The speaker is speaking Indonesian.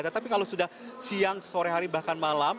tetapi kalau sudah siang sore hari bahkan malam